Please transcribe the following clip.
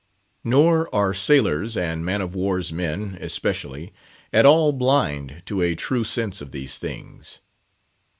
Nor are sailors, and man of war's men especially, at all blind to a true sense of these things.